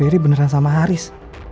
ri beneran sama haris